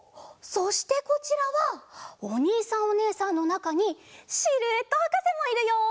そしてこちらはおにいさんおねえさんのなかにシルエットはかせもいるよ。